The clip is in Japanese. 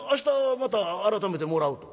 また改めてもらうと」。